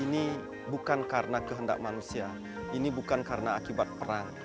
ini bukan karena kehendak manusia ini bukan karena akibat perang